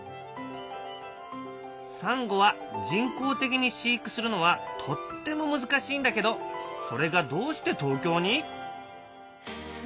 サンゴは人工的に飼育するのはとっても難しいんだけどそれがどうして東京に！？